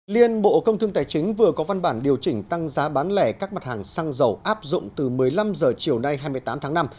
liên bộ công thương tài chính vừa có văn bản điều chỉnh tăng giá bán lẻ các mặt hàng xăng dầu áp dụng từ một mươi năm h chiều nay hai mươi tám tháng năm